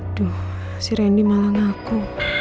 aduh si rendy malah ngaku